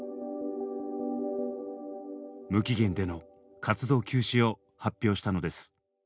無期限での活動休止を発表したのです。